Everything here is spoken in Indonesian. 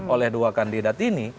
oleh dua kandidat ini